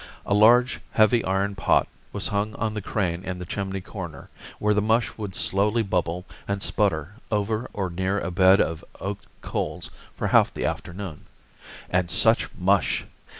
A large, heavy iron pot was hung on the crane in the chimney corner, where the mush would slowly bubble and sputter over or near a bed of oak coals for half the afternoon. And such mush!